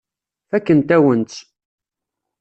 Fakkent-awen-tt.